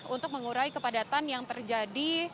untuk mengurai kepadatan yang terjadi